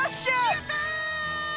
やった！